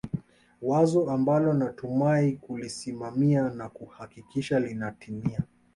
wazo ambalo natumai kulisimamia na kuhakikisha linatimia